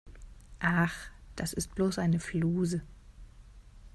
Ach, das ist bloß eine Fluse.